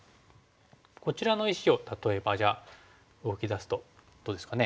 こちらの石を例えばじゃあ動き出すとどうですかね？